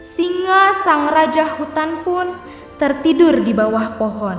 singa sang raja hutan pun tertidur di bawah pohon